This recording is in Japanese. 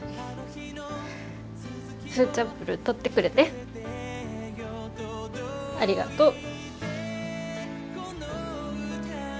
フーチャンプルー取ってくれてありがとう。